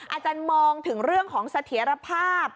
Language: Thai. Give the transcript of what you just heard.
อาจารย์มองถึงเรื่องของเสถียรภาพ